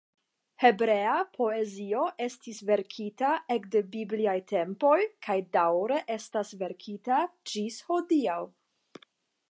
Hebrea poezio estis verkita ekde bibliaj tempoj kaj daŭre estas verkita ĝis hodiaŭ.